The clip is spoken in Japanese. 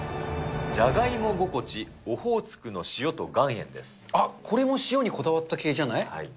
じゃがいも心地オホーツクのあっ、これも塩にこだわった系じゃない？